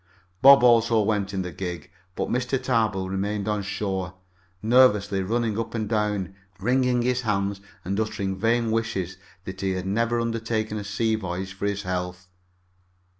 Bob also went in the gig, but Mr. Tarbill remained on shore, nervously running up and down, wringing his hands and uttering vain wishes that he had never undertaken a sea voyage for his health.